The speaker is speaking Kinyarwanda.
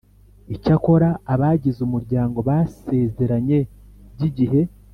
Icyakora abagize umuryango basezeranye by igihe